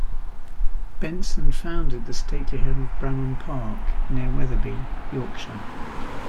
Benson founded the stately home of Bramham Park, near Wetherby, Yorkshire.